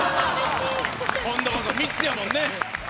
今度こそ３つやもんね。